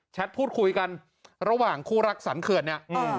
แชทพูดคุยกันระหว่างคู่รักษันเขื่อนเนี้ยอืม